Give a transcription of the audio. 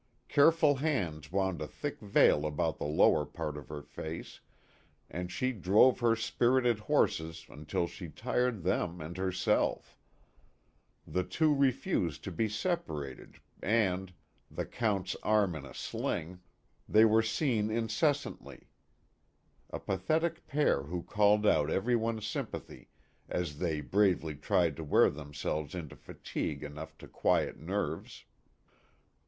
Careful hands wound a thick veil about the lower part of her face, and she drove her spirited horses until she tired them and herself ; the two refused to be separated and the Count's arm in a sling they were seen inces santly; a pathetic pair who called out every one's sympathy, as they bravely tried to wear themselves into. fatigue enough to quiet nerves.